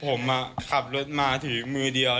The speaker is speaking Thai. ผมขับรถมาถือมือเดียว